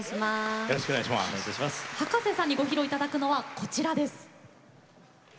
葉加瀬さんにご披露いただくのは、こちらです。